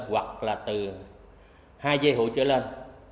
hoặc là từ hai dây hụi trở lên